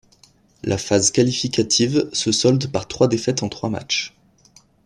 La phase qualificative se solde par trois défaites en trois matchs.